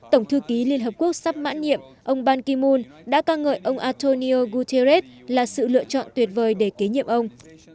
tổng thư ký liên hợp quốc sắp mãn nhiệm ông ban kim mun đã ca ngợi ông antonio guterres là sự lựa chọn tuyệt vời để kế nhiệm ông